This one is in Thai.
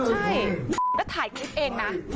ใช่แล้วถ่ายคลิปเองนะ